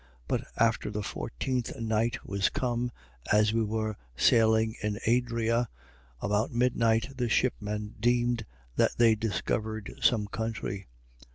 27:27. But after the fourteenth night was come, as we were sailing in Adria, about midnight, the shipmen deemed that they discovered some country.